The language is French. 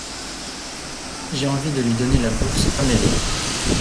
J’ai envie de lui donner la bourse comme elle est.